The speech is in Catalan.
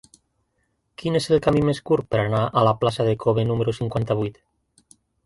Quin és el camí més curt per anar a la plaça de K-obe número cinquanta-vuit?